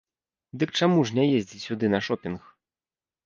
Дык чаму ж не ездзіць сюды на шопінг?